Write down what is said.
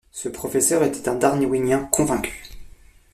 Ce professeur était un darwinien convaincu.